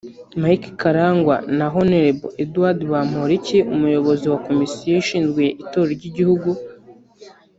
Mike Karangwa na Hon Edouard Bamporiki umuyobozi wa komisiyo ishinzwe itorero ry'igihugu